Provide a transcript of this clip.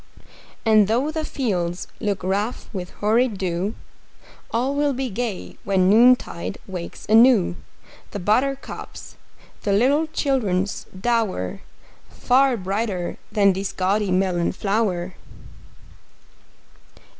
And though the fields look rough with hoary dew, All will be gay when noontide wakes anew The buttercups, the little children's dower Far brighter than this gaudy melon flower!